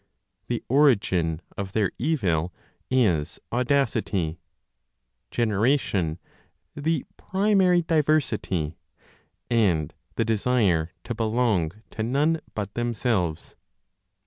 The origin of their evil is "audacity," generation, the primary diversity, and the desire to belong to none but themselves.